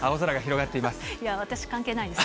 いや、私、関係ないです。